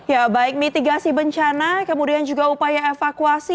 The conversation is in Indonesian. ya baik mitigasi bencana kemudian juga upaya evakuasi